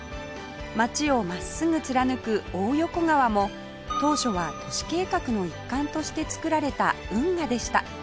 街を真っすぐ貫く大横川も当初は都市計画の一環として造られた運河でした